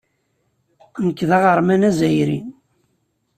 Nekk d aɣerman azzayri.